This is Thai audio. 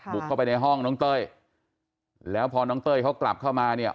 บุกเข้าไปในห้องน้องเต้ยแล้วพอน้องเต้ยเขากลับเข้ามาเนี่ย